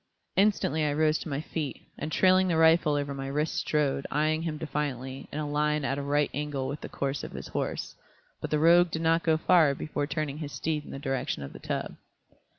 Instantly I rose to my feet, and trailing the rifle over my wrist strode, eyeing him defiantly, in a line at a right angle with the course of his horse, but the rogue did not go far before turning his steed in the direction of the tub.